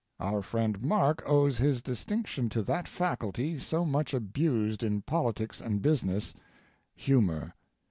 Our friend Mark owes his distinction to that faculty so much abused in politics and business humor.